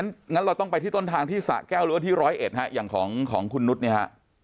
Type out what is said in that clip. งั้นเราต้องไปที่ต้นทางที่สะแก้วหรือว่าที่ร้อยเอ็ดฮะอย่างของคุณนุษย์เนี่ยฮะ